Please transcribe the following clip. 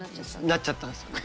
なっちゃったんですよね。